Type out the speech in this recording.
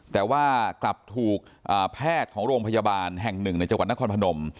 แต่ว่ากลับถูกแพทย์ของโรงพยาบาลแห่งหนึ่งในจังหวัดนครพนม